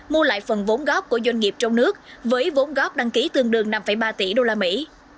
mua lại phần vốn góp của doanh nghiệp trong nước với vốn góp đăng ký tương đương năm ba tỷ đô la mỹ